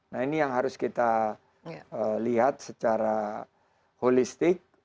nah ini yang harus kita lihat secara holistik